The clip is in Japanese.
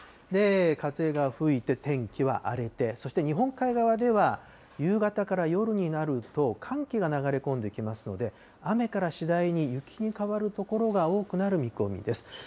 風が吹いて、天気は荒れて、そして日本海側では夕方から夜になると、寒気が流れ込んできますので、雨から次第に雪に変わる所が多くなる見込みです。